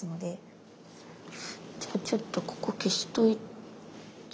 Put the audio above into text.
じゃあちょっとここ消しといて。